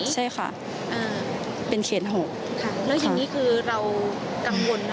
ใช่ค่ะเป็นเขต๖